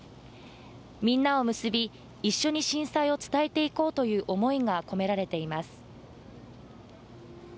みんなを結び一緒に震災を伝えていこうという思いが込められています